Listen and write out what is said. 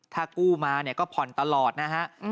ถ้ากู้มาก็ผ่อนตลอดนะฮะ